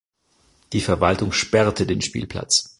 Die Verwaltung sperrte den Spielplatz.